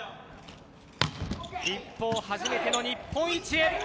一方、初めての日本一へ。